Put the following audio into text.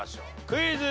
クイズ。